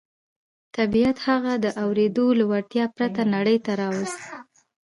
طبيعت هغه د اورېدو له وړتيا پرته نړۍ ته راووست.